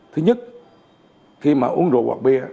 thứ nhất khi mà uống rượu hoặc bia